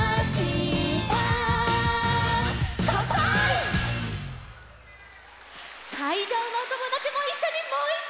「かんぱい！」かいじょうのおともだちもいっしょにもういっかい！